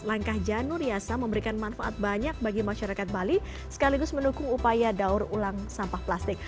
langkah janur yasa memberikan manfaat banyak bagi masyarakat bali sekaligus mendukung upaya daur ulang sampah plastik